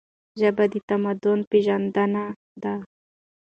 ژبه د تمدن پیژندنه ده.